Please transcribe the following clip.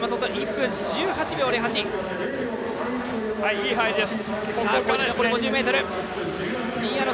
いい入りです。